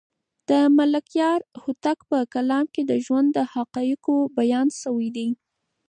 د ملکیار هوتک په کلام کې د ژوند د حقایقو بیان شوی دی.